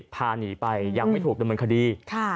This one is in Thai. พาหนีไปยังไม่ถูกดำเนินคดี